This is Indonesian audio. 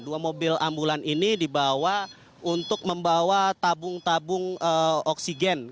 dua mobil ambulan ini dibawa untuk membawa tabung tabung oksigen